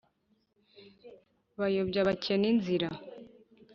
bayobya abakene inzira,